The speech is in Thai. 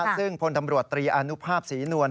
ซึ่งพลตำรวจตรีอนุภาพศรีนวล